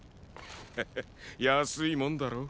ハハッ安いもんだろう。